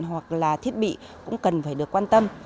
hoặc là thiết bị cũng cần phải được quan tâm